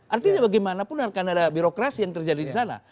artinya bagaimanapun akan ada birokrasi yang terjadi di sana